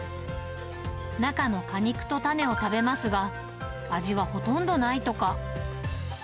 中の果肉と種を食べますが、味はほとんどないとか。